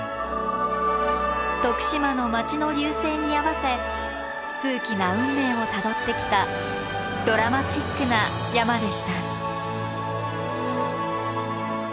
徳島の街の隆盛に合わせ数奇な運命をたどってきたドラマチックな山でした。